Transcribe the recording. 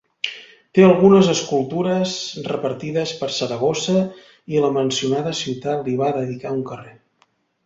Té algunes escultures repartides per Saragossa i la mencionada ciutat li va dedicar un carrer.